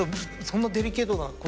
そんなデリケートなこと。